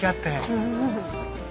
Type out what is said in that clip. うん。